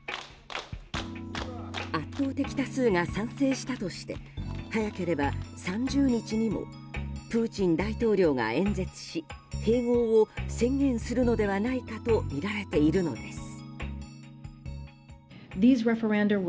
圧倒的多数が賛成したとして早ければ３０日にもプーチン大統領が演説し併合を宣言するのではないかとみられているのです。